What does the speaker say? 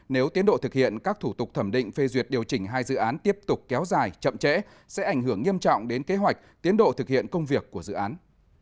nếu tiến độ thực hiện các thủ tục thẩm định phê duyệt điều chỉnh hai dự án tiếp tục kéo dài chậm trễ sẽ ảnh hưởng nghiêm trọng đến kế hoạch tiến độ thực hiện công việc của dự án